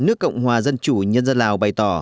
nước cộng hòa dân chủ nhân dân lào bày tỏ